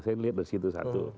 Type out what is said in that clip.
saya melihat dari situ satu